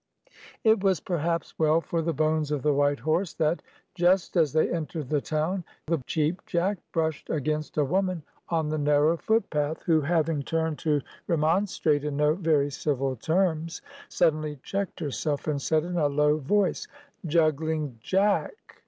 It was perhaps well for the bones of the white horse that, just as they entered the town, the Cheap Jack brushed against a woman on the narrow foot path, who having turned to remonstrate in no very civil terms, suddenly checked herself, and said in a low voice, "Juggling Jack!"